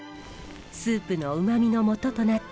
スープのうまみのもととなった